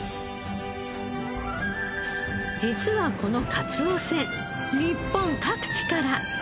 実はこのかつお船日本各地から。